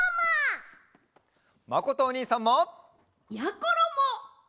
まことおにいさんも！やころも！